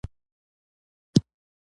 خپل عیب د ولیو منځ ګڼل ځان منل نه دي.